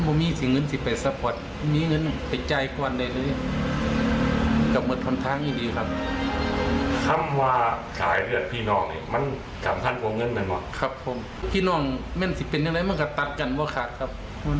พี่นองไปแล้วมันจะมาตัดกันบ่ค่ะครับ